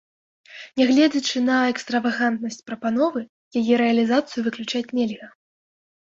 Нягледзячы на экстравагантнасць прапановы, яе рэалізацыю выключаць нельга.